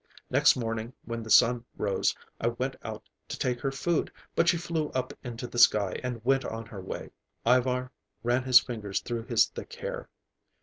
Next morning, when the sun rose, I went out to take her food, but she flew up into the sky and went on her way." Ivar ran his fingers through his thick hair.